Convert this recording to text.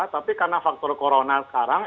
tapi karena faktor corona sekarang